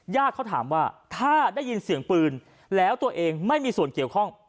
เขาถามว่าถ้าได้ยินเสียงปืนแล้วตัวเองไม่มีส่วนเกี่ยวข้อง